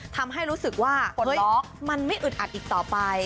ทำให้รู้สึกว่าฝนมันไม่อึดอัดอีกต่อไป